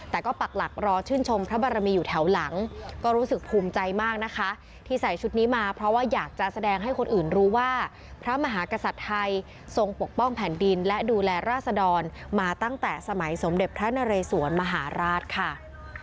แต่ก็ปักหลักรอชื่นชมพระบารมีอยู่แถวหลังก็รู้สึกภูมิใจมากนะคะที่ใส่ชุดนี้มาเพราะว่าอยากจะแสดงให้คนอื่นรู้ว่าพระมหากษัตริย์ไทยทรงปกป้องแผ่นดินและดูแลราษดรมาตั้งแต่สมัยสมเด็จพระนเรสวนมหาราชค่ะ